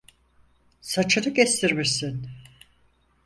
Saçını kestirmişsin.